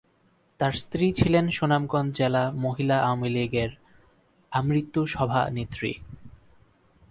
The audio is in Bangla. তার স্ত্রী ছিলেন সুনামগঞ্জ জেলা মহিলা আওয়ামী লীগের আমৃত্যু সভানেত্রী।